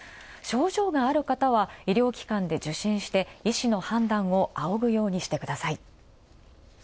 症状がある方は、医療機関で受診して医師の判断を仰ぐようにしてください。